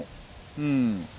うん。